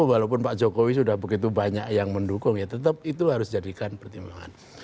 walaupun pak jokowi sudah begitu banyak yang mendukung ya tetap itu harus jadikan pertimbangan